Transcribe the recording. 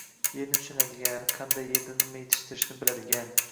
yerni tushunadigan, qanday yerda nima yetishtirishni biladigan